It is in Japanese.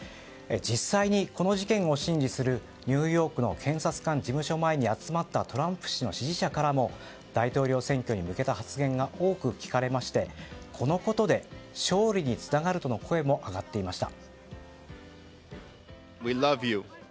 実際に、この事件を審理するニューヨークの検察官事務所前に集まったトランプ氏の支持者からも大統領選挙に向けた発言が多く聞かれまして、このことで勝利につながるとの声も上がっていました。